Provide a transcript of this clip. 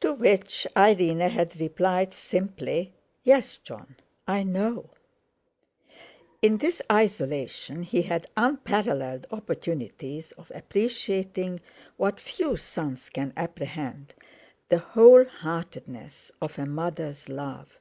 To which Irene had replied simply: "Yes, Jon, I know." In this isolation he had unparalleled opportunities of appreciating what few sons can apprehend, the whole heartedness of a mother's love.